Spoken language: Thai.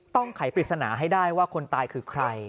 ไขปริศนาให้ได้ว่าคนตายคือใคร